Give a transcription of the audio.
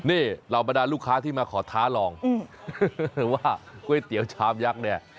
นี่เหล่าบรรดาลูกค้าที่มาขอท้าลองว่าก๋วยเตี๋ยวชามยักษ์เนี่ย